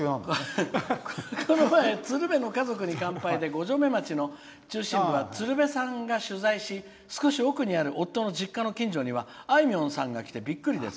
「この前「鶴瓶の家族に乾杯」で五城目町を鶴瓶さんが取材し少し奥にある夫の実家の近くにはあいみょんさんが来てびっくりです。